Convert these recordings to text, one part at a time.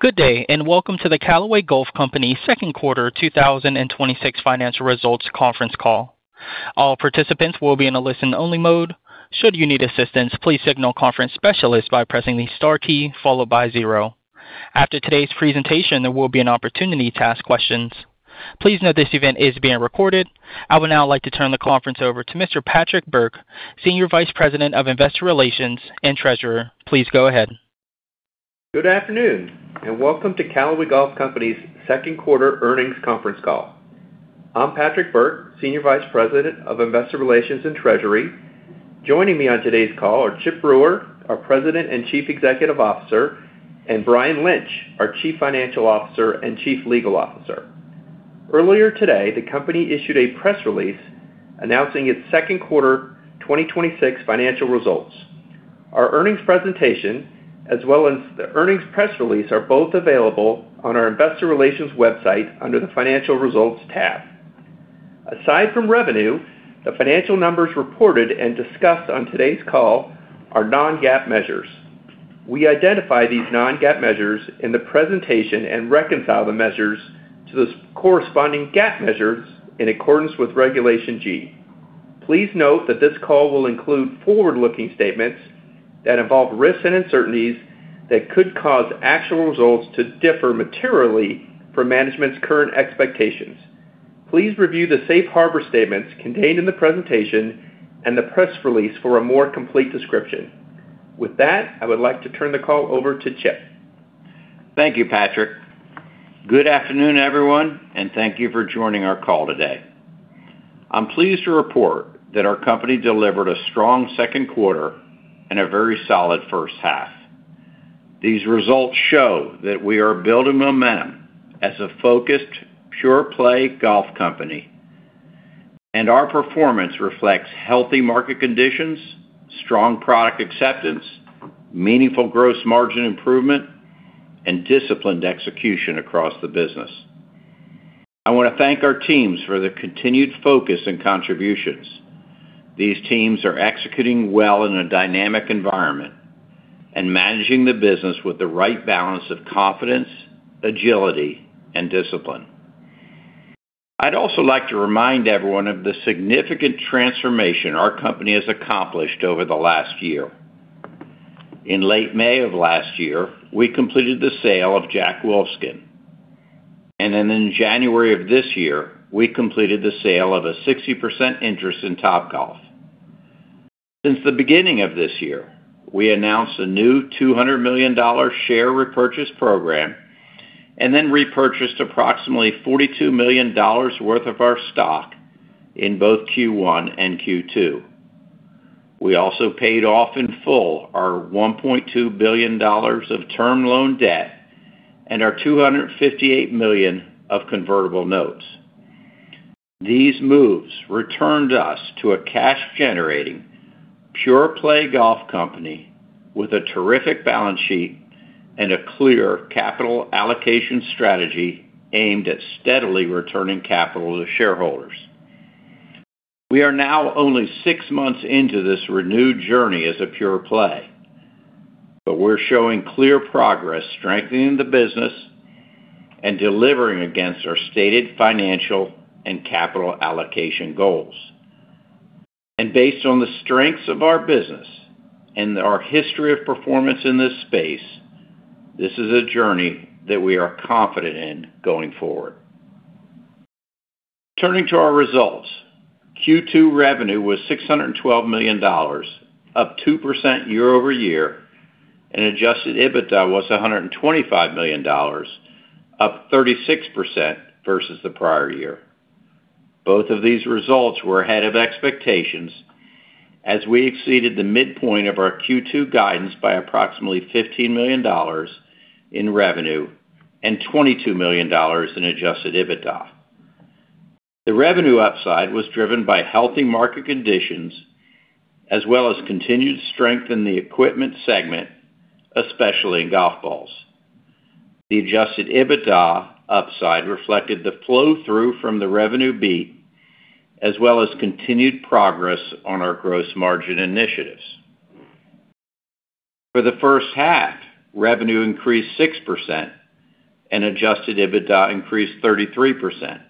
Good day, and welcome to the Callaway Golf Company second quarter 2026 financial results conference call. All participants will be in a listen-only mode. Should you need assistance, please signal conference specialist by pressing the star key followed by zero. After today's presentation, there will be an opportunity to ask questions. Please note this event is being recorded. I would now like to turn the conference over to Mr. Patrick Burke, Senior Vice President of Investor Relations and Treasurer. Please go ahead. Good afternoon and welcome to Callaway Golf Company's second quarter earnings conference call. I'm Patrick Burke, Senior Vice President of Investor Relations and Treasury. Joining me on today's call are Chip Brewer, our President and Chief Executive Officer, and Brian Lynch, our Chief Financial Officer and Chief Legal Officer. Earlier today, the company issued a press release announcing its second quarter 2026 financial results. Our earnings presentation, as well as the earnings press release, are both available on our investor relations website under the Financial Results tab. Aside from revenue, the financial numbers reported and discussed on today's call are non-GAAP measures. We identify these non-GAAP measures in the presentation and reconcile the measures to the corresponding GAAP measures in accordance with Regulation G. Please note that this call will include forward-looking statements that involve risks and uncertainties that could cause actual results to differ materially from management's current expectations. Please review the Safe Harbor statements contained in the presentation and the press release for a more complete description. With that, I would like to turn the call over to Chip. Thank you, Patrick. Good afternoon, everyone, and thank you for joining our call today. I'm pleased to report that our company delivered a strong second quarter and a very solid first half. These results show that we are building momentum as a focused, pure-play golf company, and our performance reflects healthy market conditions, strong product acceptance, meaningful gross margin improvement, and disciplined execution across the business. I want to thank our teams for their continued focus and contributions. These teams are executing well in a dynamic environment and managing the business with the right balance of confidence, agility, and discipline. I'd also like to remind everyone of the significant transformation our company has accomplished over the last year. In late May of last year, we completed the sale of Jack Wolfskin, and then in January of this year, we completed the sale of a 60% interest in Topgolf. Since the beginning of this year, we announced a new $200 million share repurchase program and then repurchased approximately $42 million worth of our stock in both Q1 and Q2. We also paid off in full our $1.2 billion of Term Loan B debt and our $258 million of convertible notes. These moves returned us to a cash-generating, pure-play golf company with a terrific balance sheet and a clear capital allocation strategy aimed at steadily returning capital to shareholders. We are now only six months into this renewed journey as a pure play, but we're showing clear progress strengthening the business and delivering against our stated financial and capital allocation goals. Based on the strengths of our business and our history of performance in this space, this is a journey that we are confident in going forward. Turning to our results, Q2 revenue was $612 million, up 2% year-over-year, and adjusted EBITDA was $125 million, up 36% versus the prior year. Both of these results were ahead of expectations as we exceeded the midpoint of our Q2 guidance by approximately $15 million in revenue and $22 million in adjusted EBITDA. The revenue upside was driven by healthy market conditions as well as continued strength in the equipment segment, especially in golf balls. The adjusted EBITDA upside reflected the flow-through from the revenue beat as well as continued progress on our gross margin initiatives. For the first half, revenue increased 6% and adjusted EBITDA increased 33%,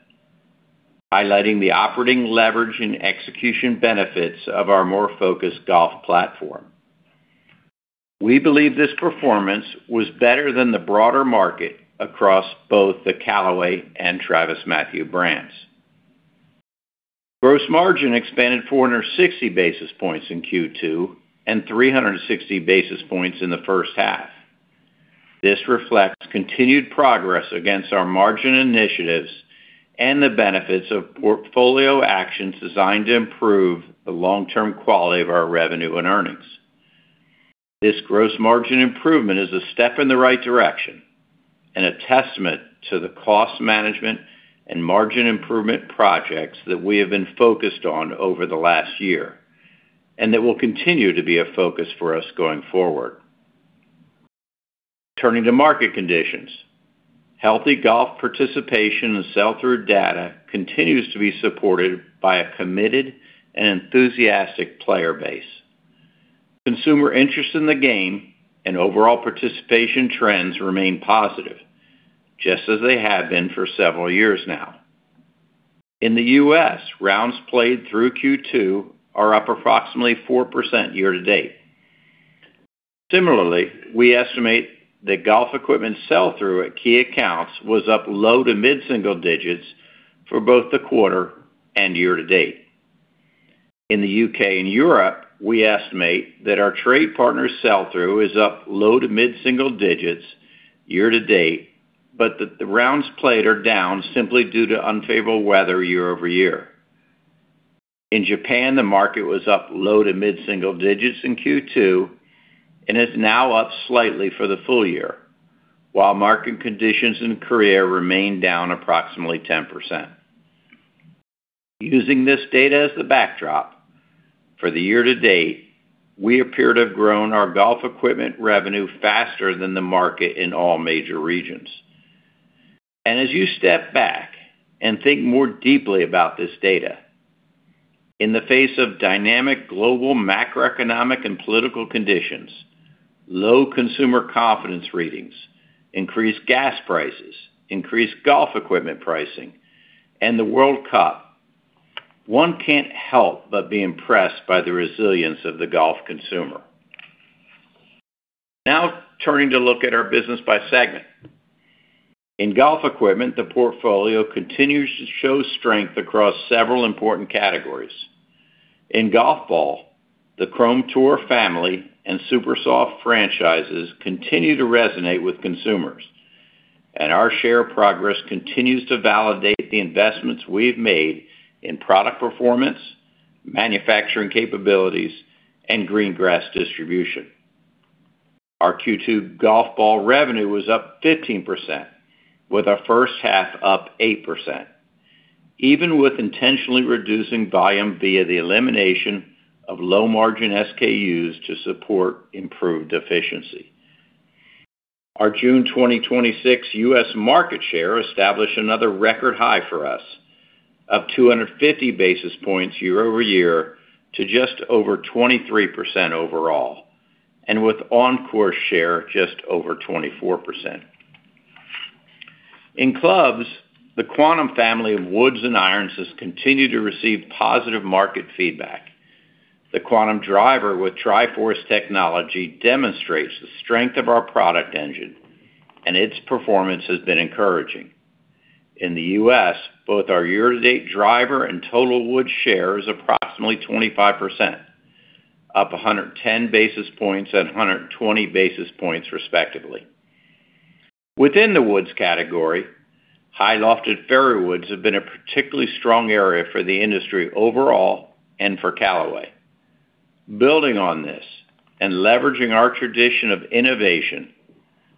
highlighting the operating leverage and execution benefits of our more focused golf platform. We believe this performance was better than the broader market across both the Callaway and TravisMathew brands. Gross margin expanded 460 basis points in Q2 and 360 basis points in the first half. This reflects continued progress against our margin initiatives and the benefits of portfolio actions designed to improve the long-term quality of our revenue and earnings. This gross margin improvement is a step in the right direction and a testament to the cost management and margin improvement projects that we have been focused on over the last year and that will continue to be a focus for us going forward. Turning to market conditions, healthy golf participation and sell-through data continues to be supported by a committed and enthusiastic player base. Consumer interest in the game and overall participation trends remain positive, just as they have been for several years now. In the U.S., rounds played through Q2 are up approximately 4% year-to-date. Similarly, we estimate that golf equipment sell-through at key accounts was up low- to mid-single digits for both the quarter and year-to-date. In the U.K. and Europe, we estimate that our trade partners' sell-through is up low- to mid-single digits year-to-date, but the rounds played are down simply due to unfavorable weather year-over-year. In Japan, the market was up low- to mid-single digits in Q2 and is now up slightly for the full year, while market conditions in Korea remain down approximately 10%. Using this data as the backdrop, for the year-to-date, we appear to have grown our golf equipment revenue faster than the market in all major regions. As you step back and think more deeply about this data, in the face of dynamic global macroeconomic and political conditions, low consumer confidence readings, increased gas prices, increased golf equipment pricing, and the World Cup, one can't help but be impressed by the resilience of the golf consumer. Now turning to look at our business by segment. In golf equipment, the portfolio continues to show strength across several important categories. In golf ball, the Chrome Tour family and Supersoft franchises continue to resonate with consumers, and our share progress continues to validate the investments we've made in product performance, manufacturing capabilities, and green grass distribution. Our Q2 golf ball revenue was up 15%, with our first half up 8%, even with intentionally reducing volume via the elimination of low-margin SKUs to support improved efficiency. Our June 2026 U.S. market share established another record high for us, up 250 basis points year-over-year to just over 23% overall, and with on-course share just over 24%. In clubs, the Quantum family of woods and irons has continued to receive positive market feedback. The Quantum driver with Tri-Force technology demonstrates the strength of our product engine, and its performance has been encouraging. In the U.S., both our year-to-date driver and total wood share is approximately 25%, up 110 basis points and 120 basis points respectively. Within the woods category, high-lofted fairways have been a particularly strong area for the industry overall and for Callaway. Building on this and leveraging our tradition of innovation,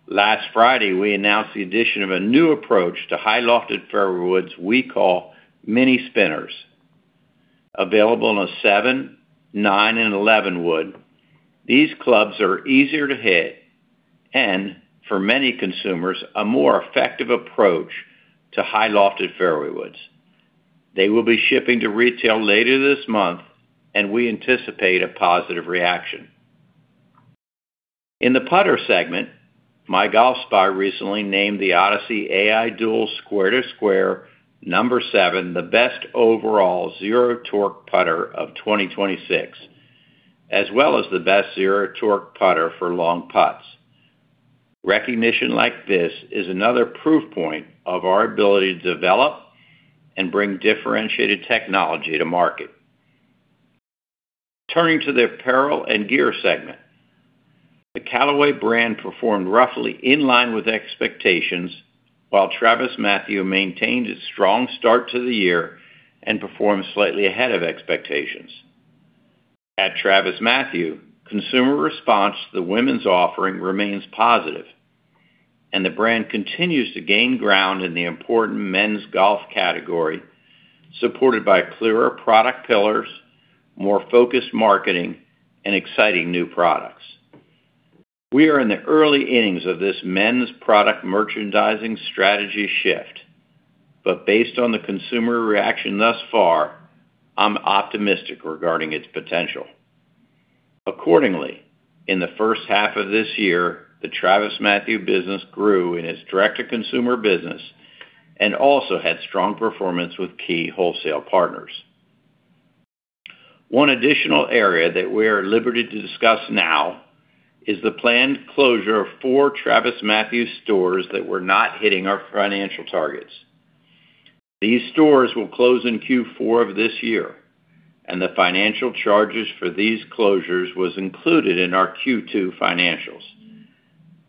last Friday, we announced the addition of a new approach to high-lofted fairways we call Mini Spinners. Available in a 7, 9, and 11 wood, these clubs are easier to hit and, for many consumers, a more effective approach to high-lofted fairways. They will be shipping to retail later this month, and we anticipate a positive reaction. In the putter segment, MyGolfSpy recently named the Odyssey Ai Dual S2S #7 the Best Overall Zero Torque Putter of 2026, as well as the Best Zero Torque Putter for Long Putts. Recognition like this is another proof point of our ability to develop and bring differentiated technology to market. Turning to the Apparel and Gear segment. The Callaway brand performed roughly in line with expectations, while TravisMathew maintained its strong start to the year and performed slightly ahead of expectations. At TravisMathew, consumer response to the women's offering remains positive, and the brand continues to gain ground in the important men's golf category, supported by clearer product pillars, more focused marketing, and exciting new products. We are in the early innings of this men's product merchandising strategy shift, but based on the consumer reaction thus far, I'm optimistic regarding its potential. Accordingly, in the first half of this year, the TravisMathew business grew in its direct-to-consumer business and also had strong performance with key wholesale partners. One additional area that we are at liberty to discuss now is the planned closure of four TravisMathew stores that were not hitting our financial targets. These stores will close in Q4 of this year, and the financial charges for these closures was included in our Q2 financials.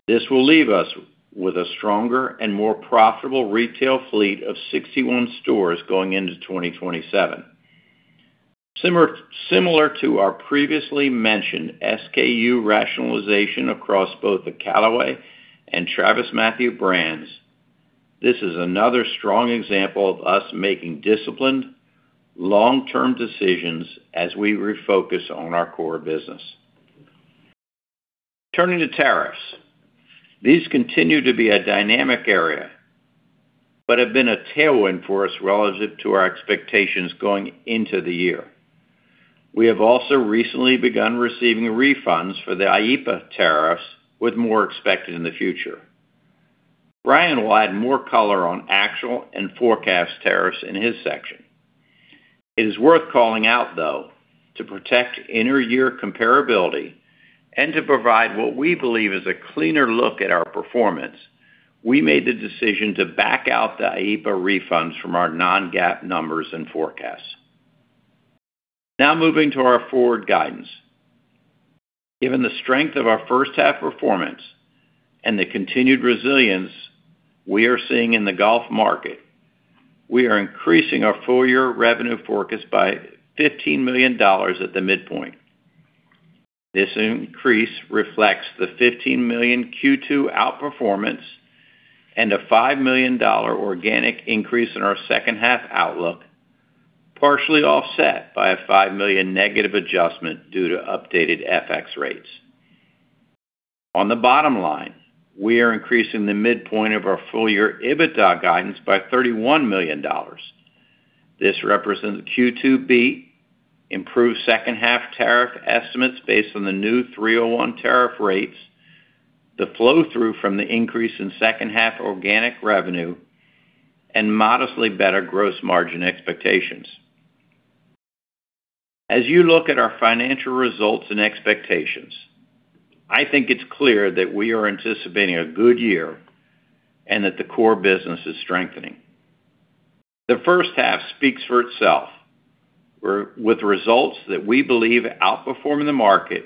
This will leave us with a stronger and more profitable retail fleet of 61 stores going into 2027. Similar to our previously mentioned SKU rationalization across both the Callaway and TravisMathew brands, this is another strong example of us making disciplined, long-term decisions as we refocus on our core business. Turning to tariffs. These continue to be a dynamic area, but have been a tailwind for us relative to our expectations going into the year. We have also recently begun receiving refunds for the IEEPA tariffs, with more expected in the future. Brian will add more color on actual and forecast tariffs in his section. It is worth calling out, though, to protect inter-year comparability and to provide what we believe is a cleaner look at our performance, we made the decision to back out the IEEPA refunds from our non-GAAP numbers and forecasts. Moving to our forward guidance. Given the strength of our first half performance and the continued resilience we are seeing in the golf market, we are increasing our full-year revenue forecast by $15 million at the midpoint. This increase reflects the $15 million Q2 outperformance and a $5 million organic increase in our second half outlook, partially offset by a $5 million negative adjustment due to updated FX rates. On the bottom line, we are increasing the midpoint of our full-year EBITDA guidance by $31 million. This represents Q2B, improved second half tariff estimates based on the new 301 tariff rates, the flow-through from the increase in second half organic revenue, and modestly better gross margin expectations. As you look at our financial results and expectations, I think it's clear that we are anticipating a good year and that the core business is strengthening. The first half speaks for itself, with results that we believe outperforming the market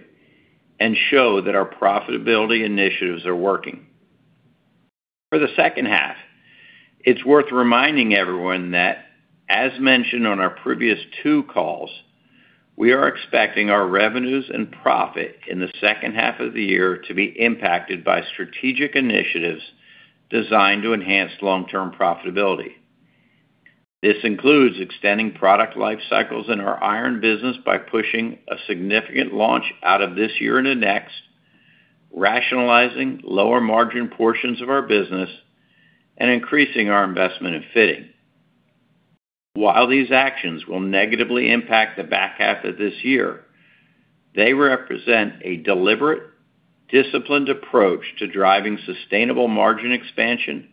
and show that our profitability initiatives are working. For the second half, it's worth reminding everyone that, as mentioned on our previous two calls, we are expecting our revenues and profit in the second half of the year to be impacted by strategic initiatives designed to enhance long-term profitability. This includes extending product life cycles in our iron business by pushing a significant launch out of this year into next, rationalizing lower-margin portions of our business, and increasing our investment in fitting. While these actions will negatively impact the back half of this year, they represent a deliberate, disciplined approach to driving sustainable margin expansion,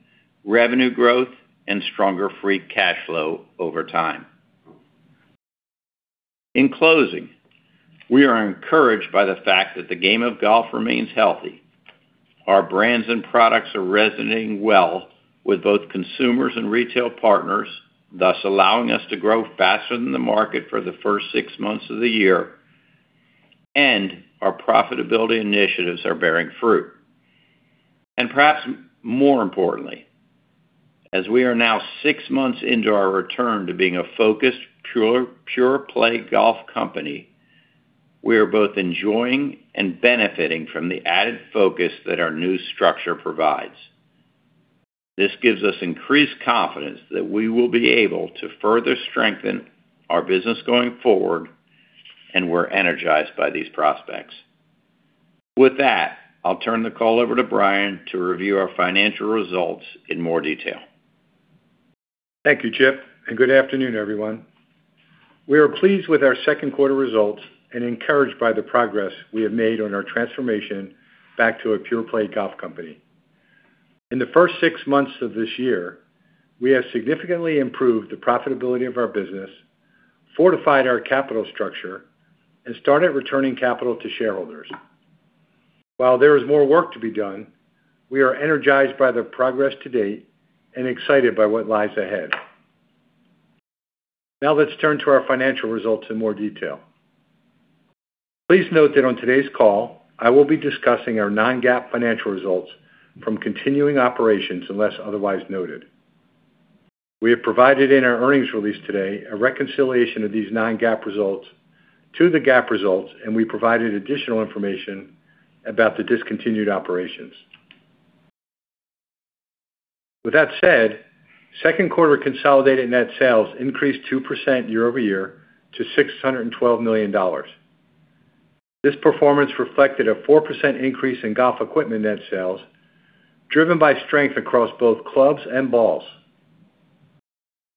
revenue growth, and stronger free cash flow over time. In closing, we are encouraged by the fact that the game of golf remains healthy. Our brands and products are resonating well with both consumers and retail partners, thus allowing us to grow faster than the market for the first six months of the year. Our profitability initiatives are bearing fruit. And perhaps more importantly, as we are now six months into our return to being a focused, pure-play golf company, we are both enjoying and benefiting from the added focus that our new structure provides. This gives us increased confidence that we will be able to further strengthen our business going forward, and we're energized by these prospects. With that, I'll turn the call over to Brian to review our financial results in more detail. Thank you, Chip, and good afternoon, everyone. We are pleased with our second quarter results and encouraged by the progress we have made on our transformation back to a pure-play golf company. In the first six months of this year, we have significantly improved the profitability of our business, fortified our capital structure, and started returning capital to shareholders. While there is more work to be done, we are energized by the progress to date and excited by what lies ahead. Now, let's turn to our financial results in more detail. Please note that on today's call, I will be discussing our non-GAAP financial results from continuing operations unless otherwise noted. We have provided in our earnings release today a reconciliation of these non-GAAP results to the GAAP results, and we provided additional information about the discontinued operations. With that said, second quarter consolidated net sales increased 2% year-over-year to $612 million. This performance reflected a 4% increase in Golf Equipment net sales, driven by strength across both clubs and balls.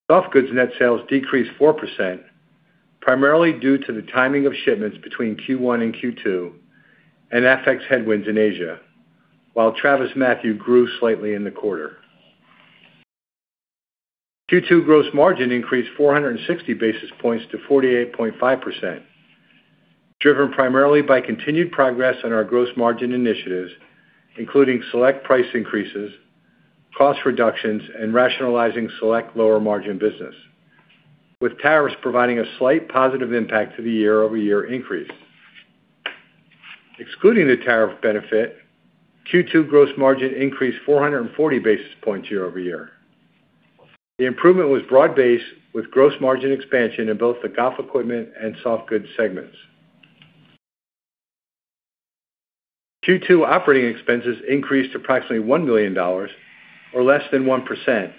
Softgoods net sales decreased 4%, primarily due to the timing of shipments between Q1 and Q2 and FX headwinds in Asia. While TravisMathew grew slightly in the quarter. Q2 gross margin increased 460 basis points to 48.5%, driven primarily by continued progress on our gross margin initiatives, including select price increases, cost reductions, and rationalizing select lower-margin business, with tariffs providing a slight positive impact to the year-over-year increase. Excluding the tariff benefit, Q2 gross margin increased 440 basis points year-over-year. The improvement was broad-based with gross margin expansion in both the Golf Equipment and Softgoods segments. Q2 operating expenses increased approximately $1 million, or less than 1%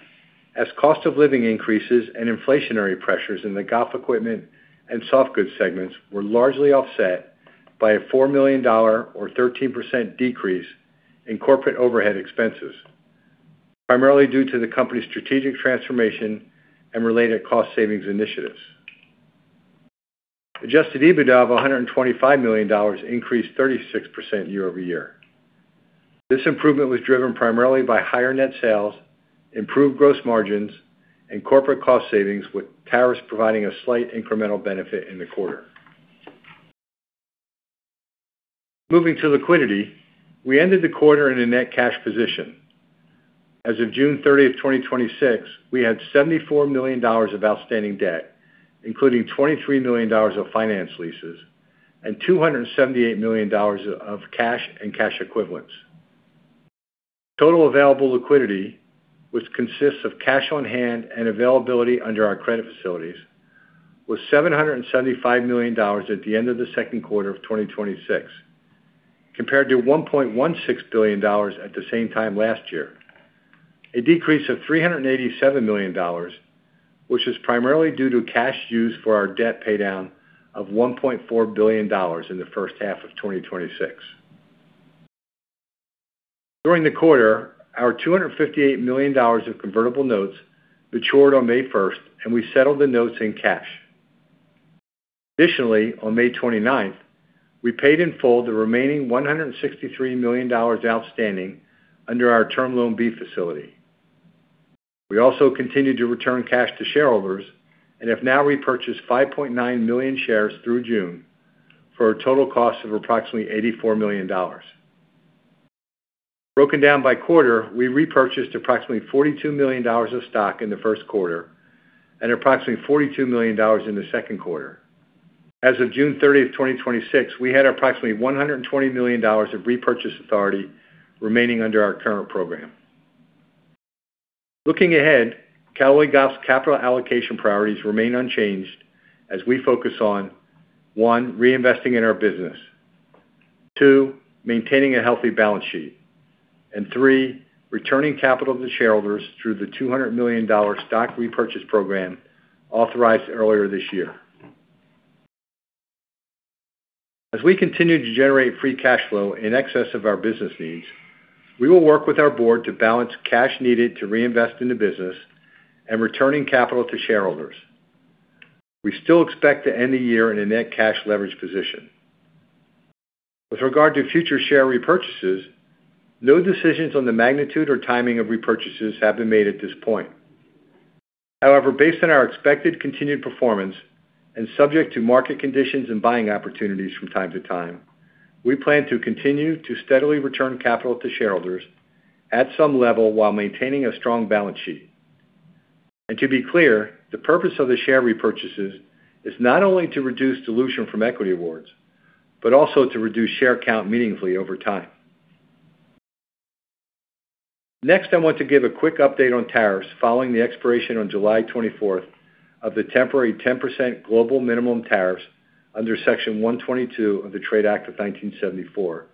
As cost of living increases and inflationary pressures in the Golf Equipment and Softgoods segments were largely offset by a $4 million, or 13% decrease in corporate overhead expenses, primarily due to the company's strategic transformation and related cost savings initiatives. Adjusted EBITDA of $125 million increased 36% year-over-year. This improvement was driven primarily by higher net sales, improved gross margins, and corporate cost savings, with tariffs providing a slight incremental benefit in the quarter. Moving to liquidity, we ended the quarter in a net cash position. As of June 30th, 2026, we had $74 million of outstanding debt, including $23 million of finance leases and $278 million of cash and cash equivalents. Total available liquidity, which consists of cash on hand and availability under our credit facilities, was $775 million at the end of the second quarter of 2026, compared to $1.16 billion at the same time last year, a decrease of $387 million, which is primarily due to cash used for our debt paydown of $1.4 billion in the first half of 2026. During the quarter, our $258 million of convertible notes matured on May 1st, and we settled the notes in cash. Additionally, on May 29th, we paid in full the remaining $163 million outstanding under our Term Loan B facility. We also continued to return cash to shareholders and have now repurchased 5.9 million shares through June for a total cost of approximately $84 million. Broken down by quarter, we repurchased approximately $42 million of stock in the first quarter and approximately $42 million in the second quarter. As of June 30th, 2026, we had approximately $120 million of repurchase authority remaining under our current program. Looking ahead, Callaway Golf's capital allocation priorities remain unchanged as we focus on, one, reinvesting in our business. Two, maintaining a healthy balance sheet. Three, returning capital to shareholders through the $200 million stock repurchase program authorized earlier this year. As we continue to generate free cash flow in excess of our business needs, we will work with our board to balance cash needed to reinvest in the business and returning capital to shareholders. We still expect to end the year in a net cash leverage position. With regard to future share repurchases, no decisions on the magnitude or timing of repurchases have been made at this point. However, based on our expected continued performance and subject to market conditions and buying opportunities from time to time, we plan to continue to steadily return capital to shareholders at some level while maintaining a strong balance sheet. To be clear, the purpose of the share repurchases is not only to reduce dilution from equity awards, but also to reduce share count meaningfully over time. Next, I want to give a quick update on tariffs following the expiration on July 24th of the temporary 10% global minimum tariffs under Section 122 of the Trade Act of 1974,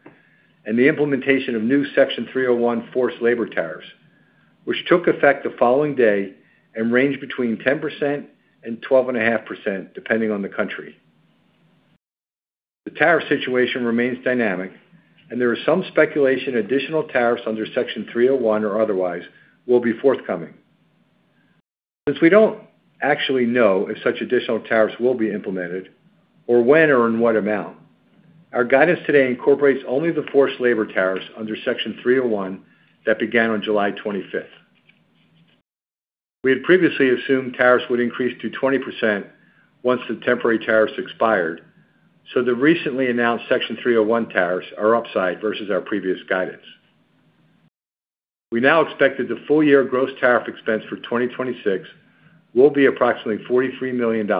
and the implementation of new Section 301 forced labor tariffs, which took effect the following day and range between 10% and 12.5%, depending on the country. The tariff situation remains dynamic, and there is some speculation additional tariffs under Section 301 or otherwise will be forthcoming. Since we don't actually know if such additional tariffs will be implemented or when or in what amount, our guidance today incorporates only the forced labor tariffs under Section 301 that began on July 25th. We had previously assumed tariffs would increase to 20% once the temporary tariffs expired, so the recently announced Section 301 tariffs are upside versus our previous guidance. We now expect that the full-year gross tariff expense for 2026 will be approximately $43 million,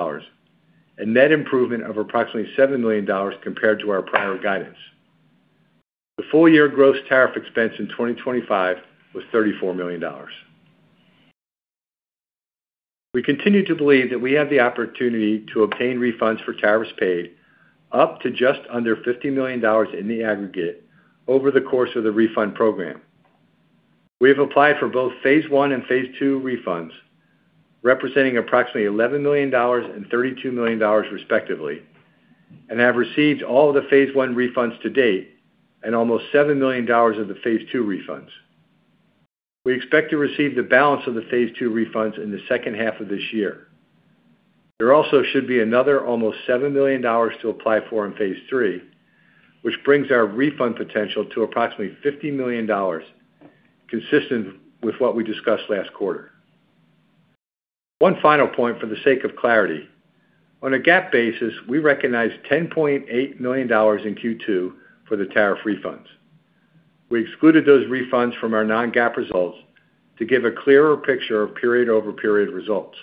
a net improvement of approximately $7 million compared to our prior guidance. The full-year gross tariff expense in 2025 was $34 million. We continue to believe that we have the opportunity to obtain refunds for tariffs paid up to just under $50 million in the aggregate over the course of the refund program. We have applied for both phase 1 and phase 2 refunds, representing approximately $11 million and $32 million, respectively, and have received all the phase 1 refunds to date and almost $7 million of the phase 2 refunds. We expect to receive the balance of the phase 2 refunds in the second half of this year. There also should be another almost $7 million to apply for in phase 3, which brings our refund potential to approximately $50 million, consistent with what we discussed last quarter. One final point for the sake of clarity. On a GAAP basis, we recognized $10.8 million in Q2 for the tariff refunds. We excluded those refunds from our non-GAAP results to give a clearer picture of period-over-period results.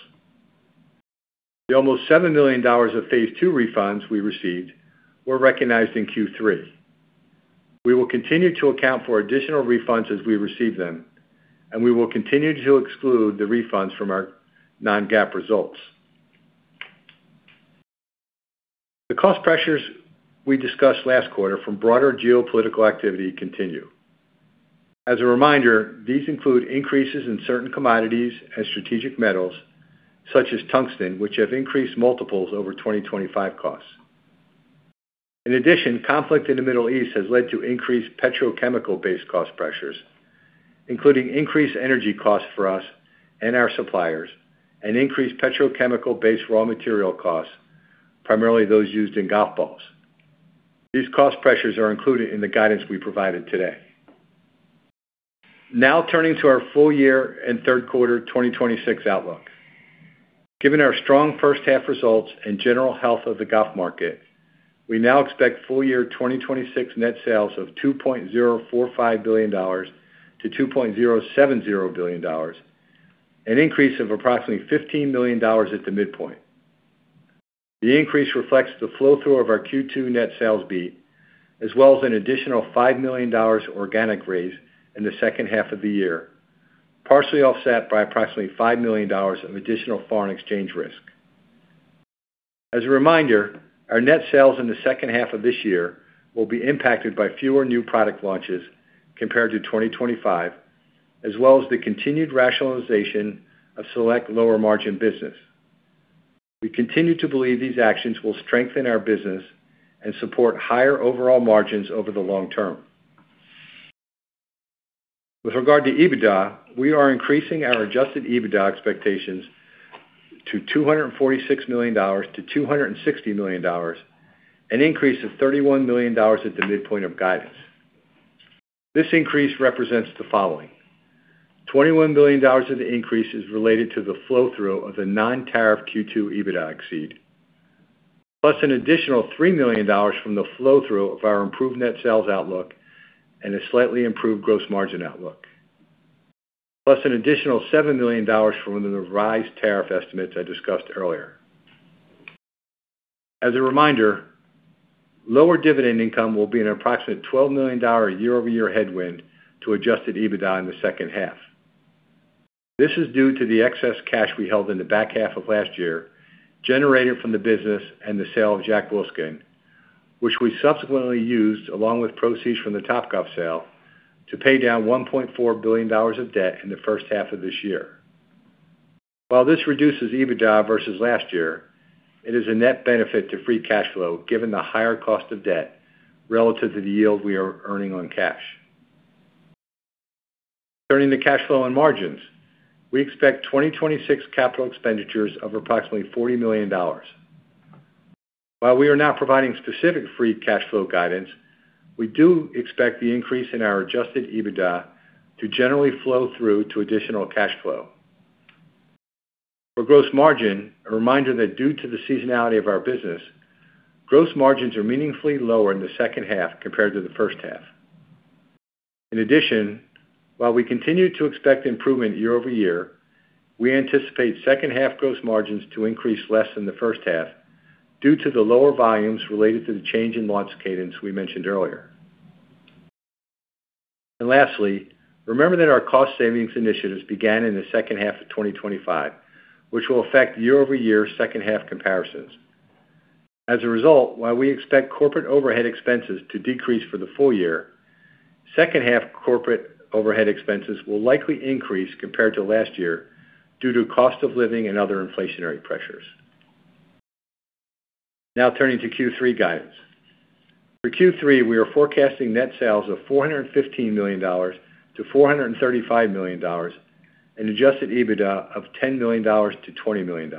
The almost $7 million of phase 2 refunds we received were recognized in Q3. We will continue to account for additional refunds as we receive them. We will continue to exclude the refunds from our non-GAAP results. The cost pressures we discussed last quarter from broader geopolitical activity continue. As a reminder, these include increases in certain commodities and strategic metals such as tungsten, which have increased multiples over 2025 costs. Conflict in the Middle East has led to increased petrochemical-based cost pressures, including increased energy costs for us and our suppliers and increased petrochemical-based raw material costs, primarily those used in golf balls. These cost pressures are included in the guidance we provided today. Turning to our full year and third quarter 2026 outlook. Given our strong first half results and general health of the golf market, we now expect full year 2026 net sales of $2.045 billion-$2.070 billion, an increase of approximately $15 million at the midpoint. The increase reflects the flow-through of our Q2 net sales beat, as well as an additional $5 million organic raise in the second half of the year, partially offset by approximately $5 million of additional foreign exchange risk. As a reminder, our net sales in the second half of this year will be impacted by fewer new product launches compared to 2025, as well as the continued rationalization of select lower margin business. We continue to believe these actions will strengthen our business and support higher overall margins over the long term. With regard to EBITDA, we are increasing our adjusted EBITDA expectations to $246 million-$260 million, an increase of $31 million at the midpoint of guidance. This increase represents the following: $21 million of the increase is related to the flow-through of the non-tariff Q2 EBITDA exceed, an additional $3 million from the flow-through of our improved net sales outlook and a slightly improved gross margin outlook. An additional $7 million from the revised tariff estimates I discussed earlier. As a reminder, lower dividend income will be an approximate $12 million year-over-year headwind to adjusted EBITDA in the second half. This is due to the excess cash we held in the back half of last year, generated from the business and the sale of Jack Wolfskin, which we subsequently used along with proceeds from the Topgolf sale to pay down $1.4 billion of debt in the first half of this year. This reduces EBITDA versus last year, it is a net benefit to free cash flow given the higher cost of debt relative to the yield we are earning on cash. Turning to cash flow and margins. We expect 2026 capital expenditures of approximately $40 million. We are now providing specific free cash flow guidance, we do expect the increase in our adjusted EBITDA to generally flow through to additional cash flow. For gross margin, a reminder that due to the seasonality of our business, gross margins are meaningfully lower in the second half compared to the first half. In addition, while we continue to expect improvement year-over-year, we anticipate second half gross margins to increase less than the first half due to the lower volumes related to the change in launch cadence we mentioned earlier. Lastly, remember that our cost savings initiatives began in the second half of 2025, which will affect year-over-year second half comparisons. As a result, while we expect corporate overhead expenses to decrease for the full year, second half corporate overhead expenses will likely increase compared to last year due to cost of living and other inflationary pressures. Now turning to Q3 guidance. For Q3, we are forecasting net sales of $415 million-$435 million and adjusted EBITDA of $10 million-$20 million.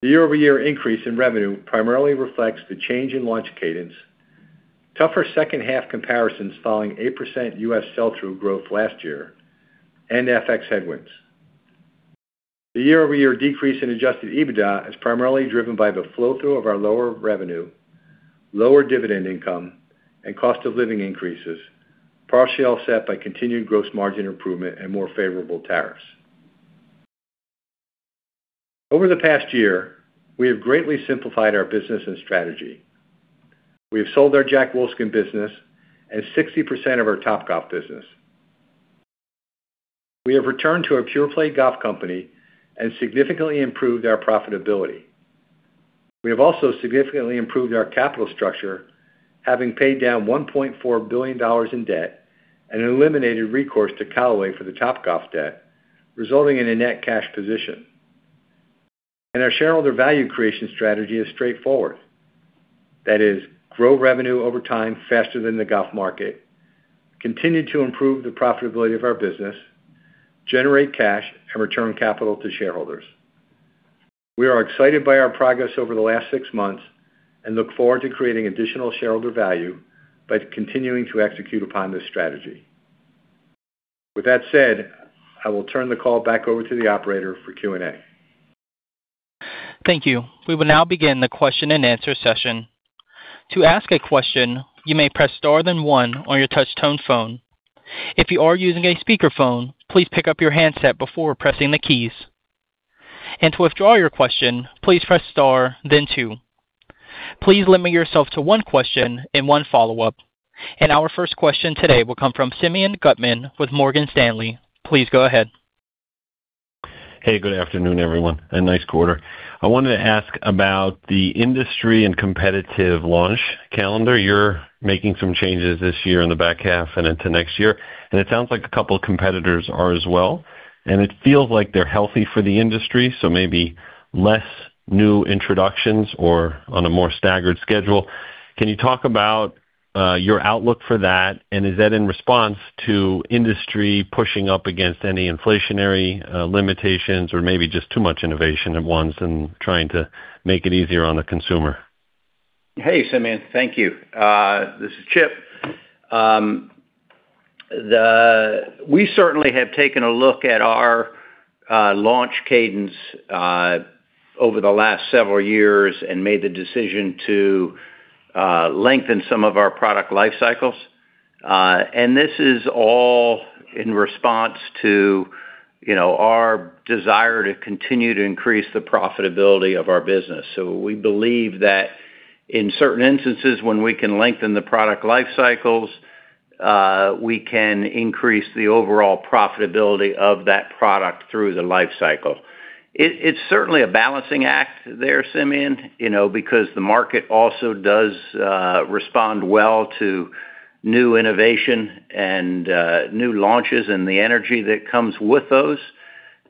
The year-over-year increase in revenue primarily reflects the change in launch cadence, tougher second half comparisons following 8% U.S. sell-through growth last year, and FX headwinds. The year-over-year decrease in adjusted EBITDA is primarily driven by the flow-through of our lower revenue, lower dividend income, and cost of living increases, partially offset by continued gross margin improvement and more favorable tariffs. Over the past year, we have greatly simplified our business and strategy. We have sold our Jack Wolfskin business and 60% of our Topgolf business. We have returned to a pureplay golf company and significantly improved our profitability. We have also significantly improved our capital structure, having paid down $1.4 billion in debt and eliminated recourse to Callaway for the Topgolf debt, resulting in a net cash position. Our shareholder value creation strategy is straightforward. That is, grow revenue over time faster than the golf market, continue to improve the profitability of our business, generate cash and return capital to shareholders. We are excited by our progress over the last six months and look forward to creating additional shareholder value by continuing to execute upon this strategy. With that said, I will turn the call back over to the operator for Q and A. Thank you. We will now begin the question and answer session. To ask a question, you may press star then one on your touch tone phone. If you are using a speakerphone, please pick up your handset before pressing the keys. To withdraw your question, please press star then two. Please limit yourself to one question and one follow-up. Our first question today will come from Simeon Gutman with Morgan Stanley. Please go ahead. Hey, good afternoon, everyone, and nice quarter. I wanted to ask about the industry and competitive launch calendar. You're making some changes this year in the back half and into next year. It sounds like a couple of competitors are as well. It feels like they're healthy for the industry, so maybe less new introductions or on a more staggered schedule. Can you talk about your outlook for that? Is that in response to industry pushing up against any inflationary limitations or maybe just too much innovation at once and trying to make it easier on the consumer? Hey, Simeon. Thank you. This is Chip. We certainly have taken a look at our launch cadence over the last several years and made the decision to lengthen some of our product life cycles. This is all in response to our desire to continue to increase the profitability of our business. We believe that in certain instances when we can lengthen the product life cycles, we can increase the overall profitability of that product through the life cycle. It's certainly a balancing act there, Simeon, because the market also does respond well to new innovation and new launches and the energy that comes with those.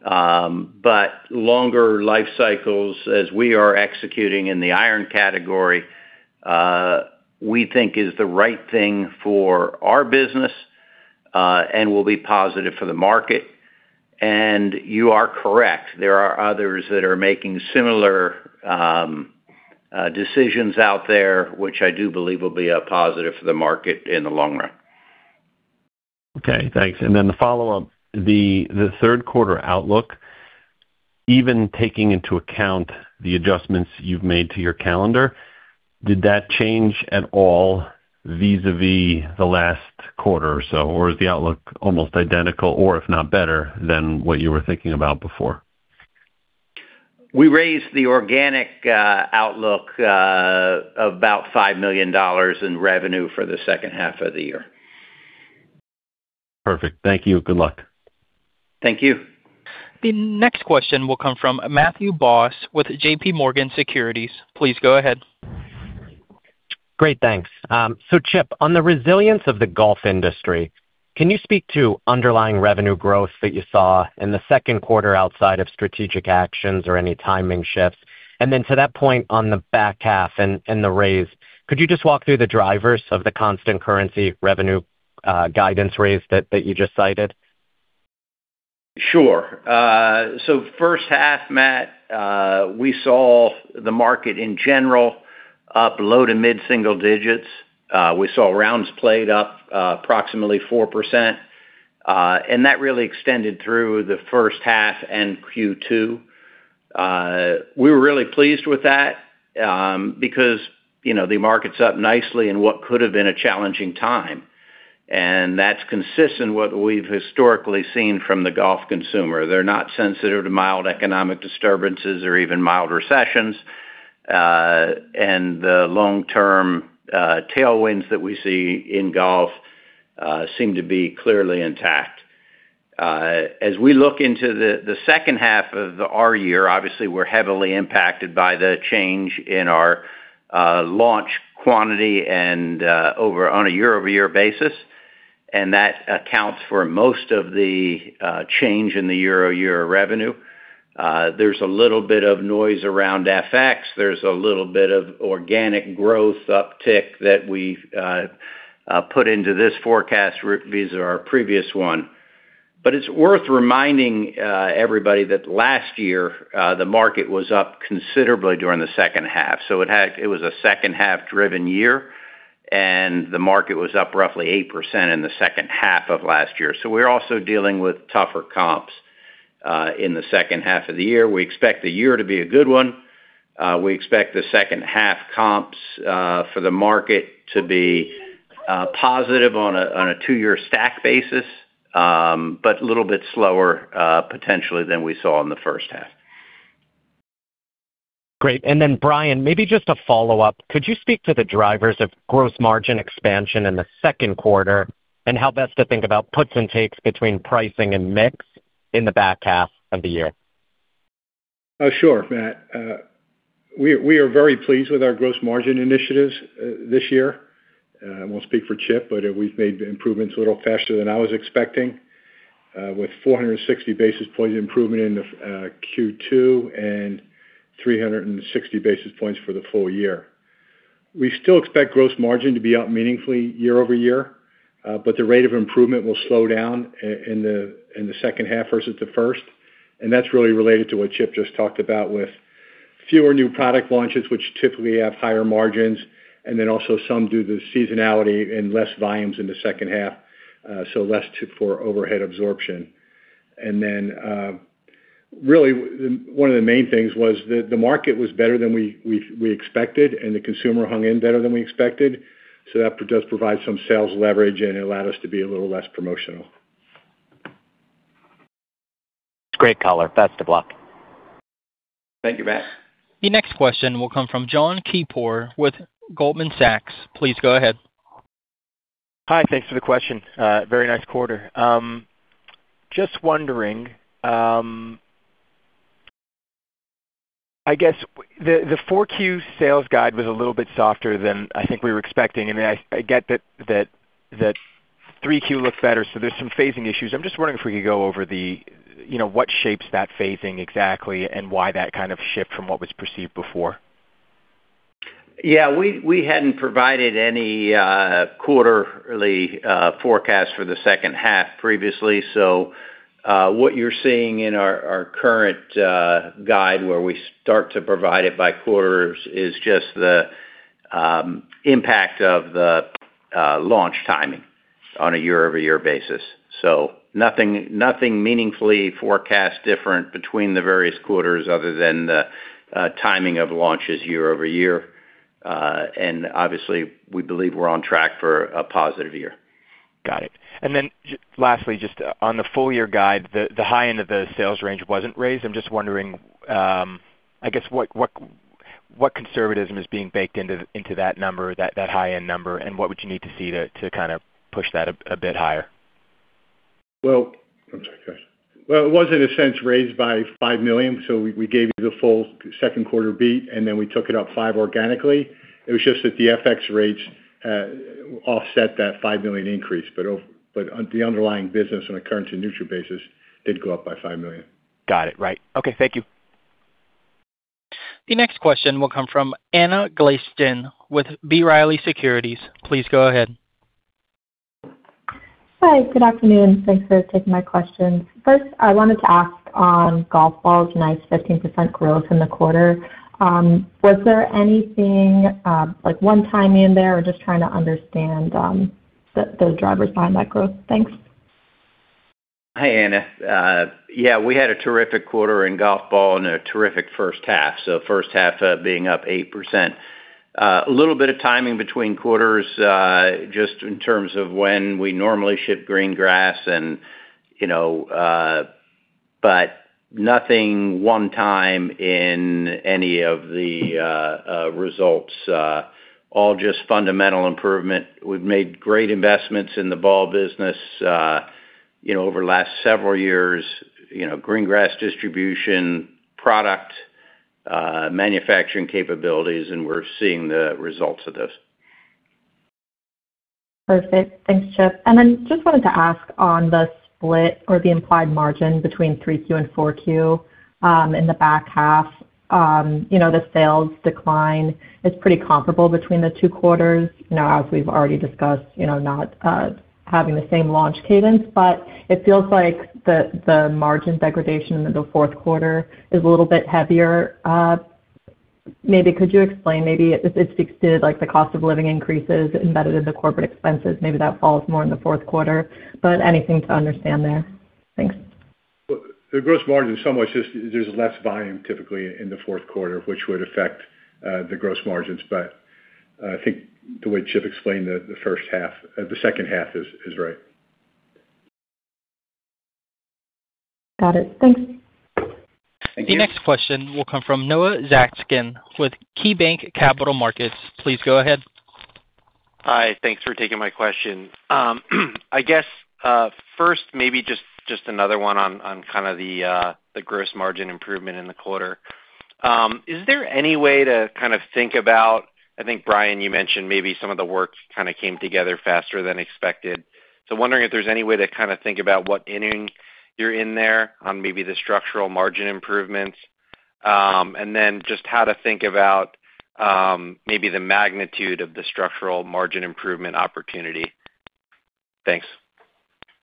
Longer life cycles, as we are executing in the iron category, we think is the right thing for our business. It will be positive for the market. You are correct, there are others that are making similar decisions out there, which I do believe will be a positive for the market in the long run. Okay, thanks. The follow-up, the third quarter outlook, even taking into account the adjustments you've made to your calendar, did that change at all vis-à-vis the last quarter or so? Is the outlook almost identical or if not better than what you were thinking about before? We raised the organic outlook about $5 million in revenue for the second half of the year. Perfect. Thank you. Good luck. Thank you. The next question will come from Matthew Boss with JPMorgan Securities. Please go ahead. Great, thanks. Chip, on the resilience of the golf industry, can you speak to underlying revenue growth that you saw in the second quarter outside of strategic actions or any timing shifts? To that point on the back half and the raise, could you just walk through the drivers of the constant currency revenue guidance raise that you just cited? Sure. First half, Matt, we saw the market in general up low to mid-single digits. We saw rounds played up approximately 4%, and that really extended through the first half and Q2. We were really pleased with that, because the market's up nicely in what could have been a challenging time. That's consistent what we've historically seen from the golf consumer. They're not sensitive to mild economic disturbances or even mild recessions. The long-term tailwinds that we see in golf seem to be clearly intact. As we look into the second half of our year, obviously, we're heavily impacted by the change in our launch quantity on a year-over-year basis, and that accounts for most of the change in the year-over-year revenue. There's a little bit of noise around FX. There's a little bit of organic growth uptick that we've put into this forecast vis-à-vis our previous one. It's worth reminding everybody that last year, the market was up considerably during the second half. It was a second half driven year, and the market was up roughly 8% in the second half of last year. We're also dealing with tougher comps in the second half of the year. We expect the year to be a good one. We expect the second half comps for the market to be positive on a two-year stack basis, but a little bit slower, potentially, than we saw in the first half. Great. Brian, maybe just a follow-up. Could you speak to the drivers of gross margin expansion in the second quarter, and how best to think about puts and takes between pricing and mix in the back half of the year? Sure, Matt. We are very pleased with our gross margin initiatives this year. I won't speak for Chip, but we've made the improvements a little faster than I was expecting, with 460 basis points improvement in Q2 and 360 basis points for the full year. We still expect gross margin to be up meaningfully year-over-year, but the rate of improvement will slow down in the second half versus the first, and that's really related to what Chip just talked about with fewer new product launches, which typically have higher margins, and then also some due to seasonality and less volumes in the second half, so less for overhead absorption. Really one of the main things was that the market was better than we expected and the consumer hung in better than we expected, so that does provide some sales leverage, and it allowed us to be a little less promotional. Great color. Best of luck. Thank you, Matt. The next question will come from Jon Keypour with Goldman Sachs. Please go ahead. Hi. Thanks for the question. Very nice quarter. Just wondering, I guess, the 4Q sales guide was a little bit softer than I think we were expecting. I get that 3Q looked better, so there's some phasing issues. I'm just wondering if we could go over what shapes that phasing exactly, why that kind of shift from what was perceived before. Yeah. We hadn't provided any quarterly forecast for the second half previously. What you're seeing in our current guide, where we start to provide it by quarters, is just the impact of the launch timing on a year-over-year basis. Nothing meaningfully forecast different between the various quarters other than the timing of launches year-over-year. Obviously, we believe we're on track for a positive year. Got it. Lastly, just on the full year guide, the high end of the sales range wasn't raised. I'm just wondering, I guess, what conservatism is being baked into that number, that high-end number, what would you need to see to kind of push that a bit higher? Well, I'm sorry, guys. It was, in a sense, raised by $5 million. We gave you the full second quarter beat, and then we took it up $5 organically. It was just that the FX rates offset that $5 million increase. The underlying business on a currency-neutral basis did go up by $5 million. Got it. Right. Okay, thank you. The next question will come from Anna Glaessgen with B. Riley Securities. Please go ahead. Hi. Good afternoon. Thanks for taking my question. First, I wanted to ask on golf balls. Nice 15% growth in the quarter. Was there anything like one-timing in there? Just trying to understand the drivers behind that growth. Thanks. Hi, Anna. We had a terrific quarter in golf ball and a terrific first half. First half being up 8%. A little bit of timing between quarters, just in terms of when we normally ship green grass. Nothing one time in any of the results. All just fundamental improvement. We've made great investments in the ball business over the last several years. Green grass distribution, product manufacturing capabilities, and we're seeing the results of this. Perfect. Thanks, Chip. Just wanted to ask on the split or the implied margin between 3Q and 4Q in the back half. The sales decline is pretty comparable between the two quarters, as we've already discussed, not having the same launch cadence, it feels like the margin degradation in the fourth quarter is a little bit heavier. Maybe could you explain maybe if it's fixed costs, like the cost of living increases embedded in the corporate expenses, maybe that falls more in the fourth quarter, anything to understand there. Thanks. Look, the gross margin is somewhat just, there's less volume typically in the fourth quarter, which would affect the gross margins. I think the way Chip explained the second half is right. Got it. Thanks. Thank you. The next question will come from Noah Zatzkin with KeyBanc Capital Markets. Please go ahead. Hi. Thanks for taking my question. I guess, first maybe just another one on kind of the gross margin improvement in the quarter. Is there any way to kind of think about, I think, Brian, you mentioned maybe some of the work kind of came together faster than expected. Wondering if there's any way to kind of think about what inning you're in there on maybe the structural margin improvements. Just how to think about maybe the magnitude of the structural margin improvement opportunity. Thanks.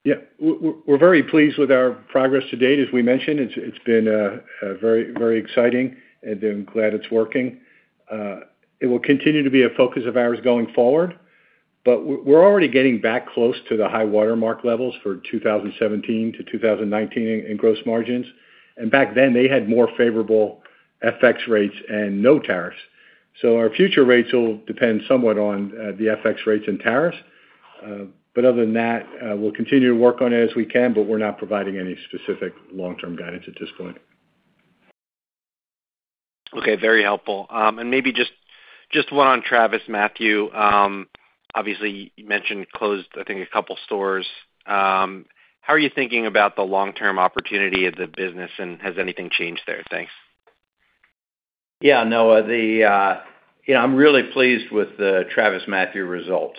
Yeah. We're very pleased with our progress to date. As we mentioned, it's been very exciting and glad it's working. It will continue to be a focus of ours going forward, but we're already getting back close to the high water mark levels for 2017 to 2019 in gross margins. Back then, they had more favorable FX rates and no tariffs. Our future rates will depend somewhat on the FX rates and tariffs. Other than that, we'll continue to work on it as we can, but we're not providing any specific long-term guidance at this point. Okay. Very helpful. Maybe just one on TravisMathew. Obviously, you mentioned closed, I think, a couple stores. How are you thinking about the long-term opportunity of the business, and has anything changed there? Thanks. Yeah, Noah. I'm really pleased with the TravisMathew results.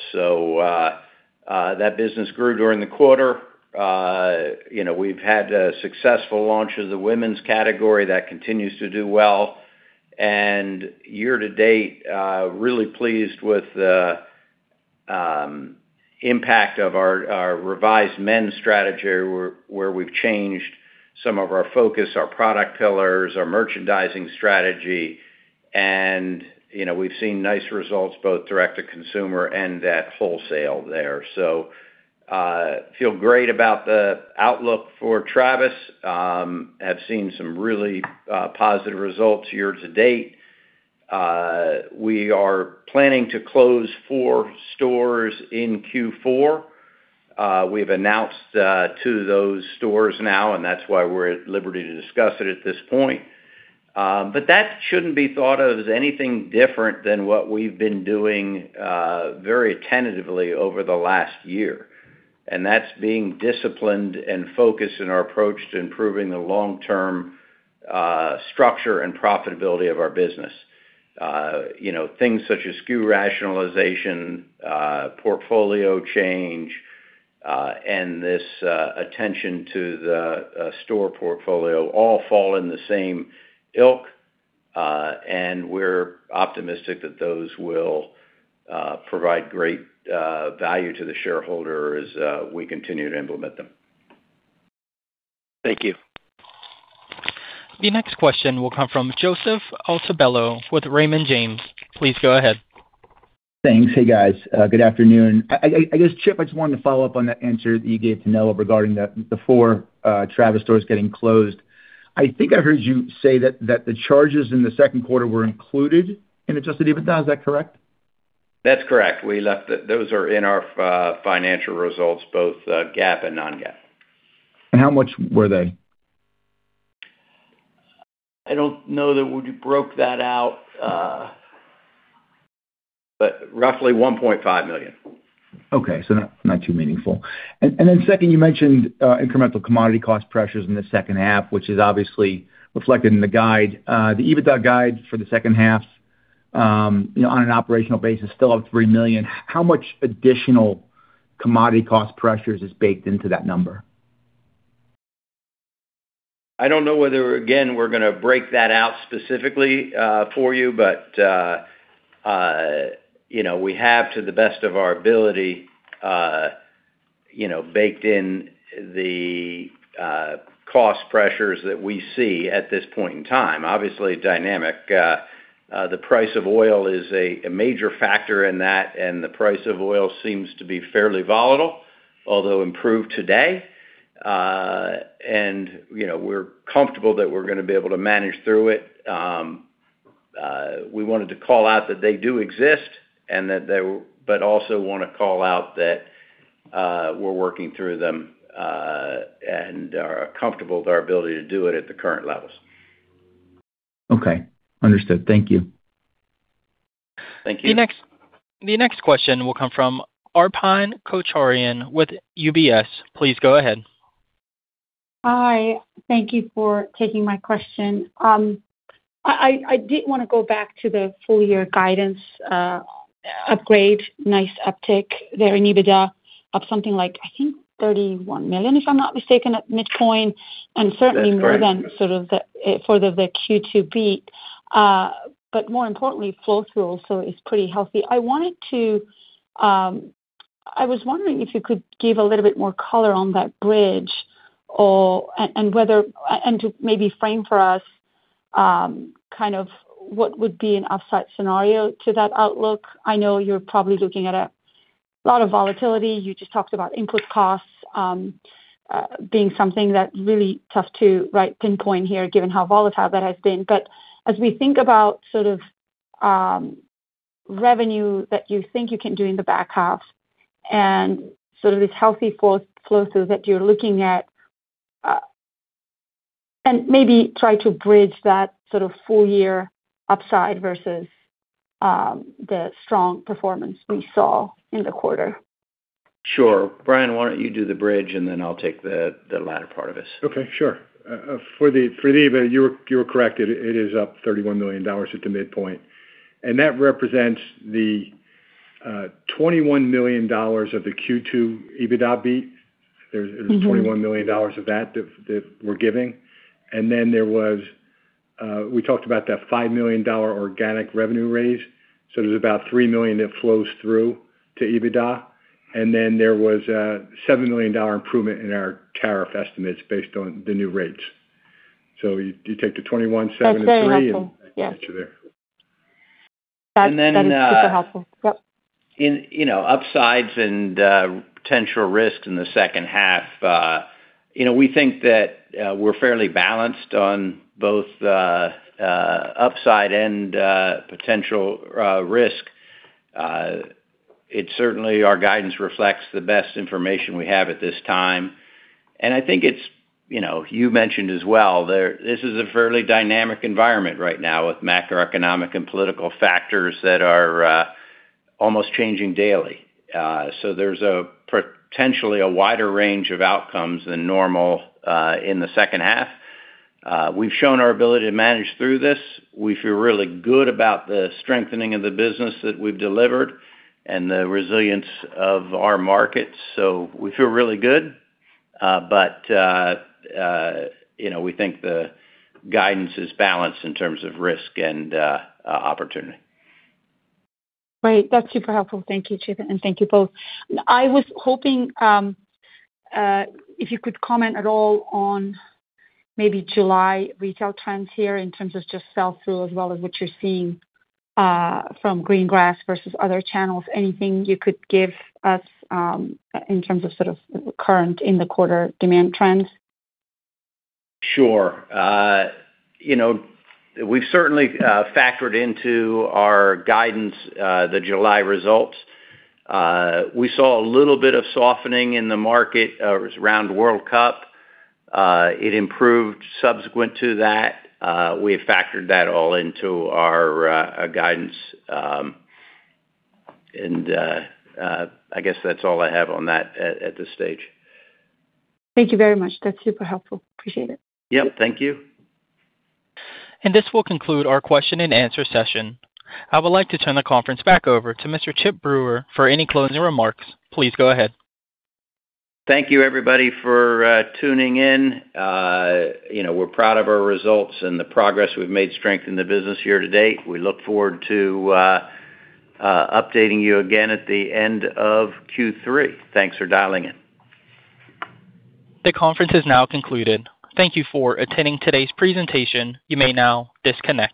That business grew during the quarter. We've had a successful launch of the women's category that continues to do well. Year to date, really pleased with the impact of our revised men's strategy, where we've changed some of our focus, our product pillars, our merchandising strategy, and we've seen nice results, both direct to consumer and at wholesale there. Feel great about the outlook for Travis. Have seen some really positive results year to date. We are planning to close four stores in Q4. We've announced two of those stores now, and that's why we're at liberty to discuss it at this point. That shouldn't be thought of as anything different than what we've been doing very tentatively over the last year. That's being disciplined and focused in our approach to improving the long-term structure and profitability of our business. Things such as SKU rationalization, portfolio change, and this attention to the store portfolio all fall in the same ilk. We're optimistic that those will provide great value to the shareholder as we continue to implement them. Thank you. The next question will come from Joseph Altobello with Raymond James. Please go ahead. Thanks. Hey, guys. Good afternoon. I guess, Chip, I just wanted to follow up on that answer that you gave to Noah regarding the four Travis stores getting closed. I think I heard you say that the charges in the second quarter were included in adjusted EBITDA. Is that correct? That's correct. Those are in our financial results, both GAAP and non-GAAP. How much were they? I don't know that we broke that out, but roughly $1.5 million. Okay, not too meaningful. Second, you mentioned incremental commodity cost pressures in the second half, which is obviously reflected in the guide. The EBITDA guide for the second half on an operational basis, still up $3 million. How much additional commodity cost pressures is baked into that number? I don't know whether, again, we're going to break that out specifically for you, but we have, to the best of our ability, baked in the cost pressures that we see at this point in time. Obviously dynamic. The price of oil is a major factor in that, and the price of oil seems to be fairly volatile, although improved today. We're comfortable that we're going to be able to manage through it. We wanted to call out that they do exist, but also want to call out that we're working through them and are comfortable with our ability to do it at the current levels. Okay. Understood. Thank you. Thank you. The next question will come from Arpine Kocharyan with UBS. Please go ahead. Hi. Thank you for taking my question. I did want to go back to the full year guidance upgrade. Nice uptick there in EBITDA of something like, I think, $31 million, if I'm not mistaken, at midpoint. That's right. more than sort of the Q2 beat. More importantly, flow through also is pretty healthy. I was wondering if you could give a little bit more color on that bridge, and to maybe frame for us kind of what would be an upside scenario to that outlook. I know you're probably looking at a lot of volatility. You just talked about input costs being something that really tough to pinpoint here, given how volatile that has been. As we think about sort of revenue that you think you can do in the back half and sort of this healthy flow through that you're looking at, and maybe try to bridge that sort of full year upside versus the strong performance we saw in the quarter. Sure. Brian, why don't you do the bridge, and then I'll take the latter part of it. Okay, sure. For the EBITDA, you were correct. It is up $31 million at the midpoint, and that represents the $21 million of the Q2 EBITDA beat. There's $21 million of that we're giving. We talked about that $5 million organic revenue raise. There's about $3 million that flows through to EBITDA. There was a $7 million improvement in our tariff estimates based on the new rates. You take the $21 million, $7 million, and $3 million. That's very helpful. Yes That gets you there. That is super helpful. Yep. Upsides and potential risks in the second half. We think that we're fairly balanced on both upside and potential risk. Certainly, our guidance reflects the best information we have at this time. I think you mentioned as well, this is a fairly dynamic environment right now with macroeconomic and political factors that are almost changing daily. There's potentially a wider range of outcomes than normal in the second half. We've shown our ability to manage through this. We feel really good about the strengthening of the business that we've delivered and the resilience of our markets. We feel really good. We think the guidance is balanced in terms of risk and opportunity. Great. That's super helpful. Thank you, Chip, and thank you both. I was hoping if you could comment at all on maybe July retail trends here in terms of just sell-through as well as what you're seeing from green grass versus other channels. Anything you could give us in terms of sort of current in the quarter demand trends? Sure. We've certainly factored into our guidance the July results. We saw a little bit of softening in the market around World Cup. It improved subsequent to that. We have factored that all into our guidance, I guess that's all I have on that at this stage. Thank you very much. That's super helpful. Appreciate it. Yep. Thank you. This will conclude our question and answer session. I would like to turn the conference back over to Mr. Chip Brewer for any closing remarks. Please go ahead. Thank you everybody for tuning in. We're proud of our results and the progress we've made strengthening the business year to date. We look forward to updating you again at the end of Q3. Thanks for dialing in. The conference is now concluded. Thank you for attending today's presentation. You may now disconnect.